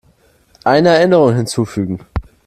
Eine Erinnerung hinzufügen.